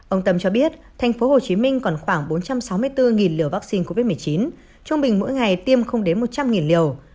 ông tâm cho biết tp hcm còn khoảng bốn trăm sáu mươi bốn liều vaccine covid một mươi chín trung bình mỗi ngày tiêm không đến một trăm linh liều